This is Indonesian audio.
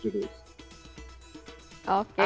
ya bukan dua dosis